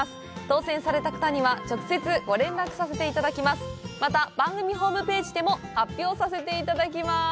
当せんされた方には直接ご連絡させていただきます。